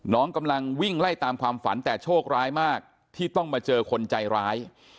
กำลังวิ่งไล่ตามความฝันแต่โชคร้ายมากที่ต้องมาเจอคนใจร้าย